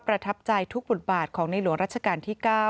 ประทับใจทุกบทบาทของในหลวงรัชกาลที่๙